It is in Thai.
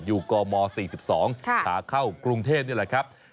กม๔๒ขาเข้ากรุงเทพนี่แหละครับ